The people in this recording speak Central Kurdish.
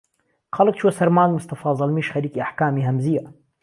خەڵک چووە سەر مانگ مستەفا زەڵمیش خەریکی ئەحکامی هەمزیە